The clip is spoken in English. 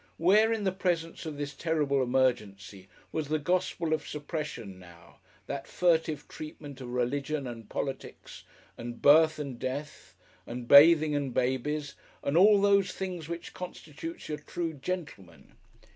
Where, in the presence of this terrible emergency, was the gospel of suppression now that Furtive treatment of Religion and Politics, and Birth and Death and Bathing and Babies, and "all those things" which constitutes your True Gentleman?